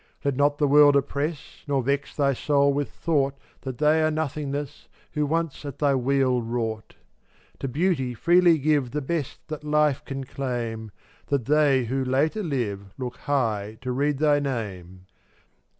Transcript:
443 Let not the world oppress, Nor vex thy soul with thought That they are nothingness Who once at thy wheel wrought. To beauty freely give The best that life can claim, That they who later live Look high to read thy name.